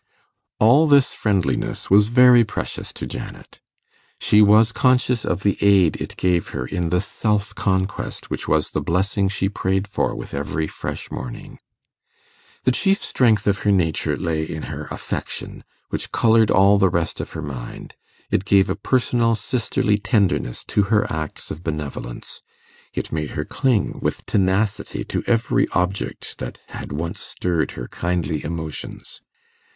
All this friendliness was very precious to Janet. She was conscious of the aid it gave her in the self conquest which was the blessing she prayed for with every fresh morning. The chief strength of her nature lay in her affection, which coloured all the rest of her mind: it gave a personal sisterly tenderness to her acts of benevolence; it made her cling with tenacity to every object that had once stirred her kindly emotions.